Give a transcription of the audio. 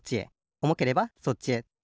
おもければそっちへ。